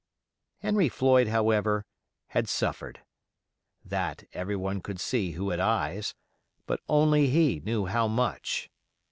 Henry Floyd, however, had suffered,—that everyone could see who had eyes; but only he knew how much.